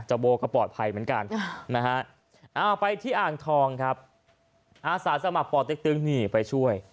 โบก็ปลอดภัยเหมือนกันนะฮะเอาไปที่อ่างทองครับอาสาสมัครป่อเต็กตึงนี่ไปช่วย